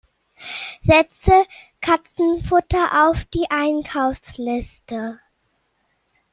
Setze Katzenfutter auf die Einkaufsliste!